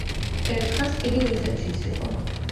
ერთხანს იგი რუსეთშიც იყო.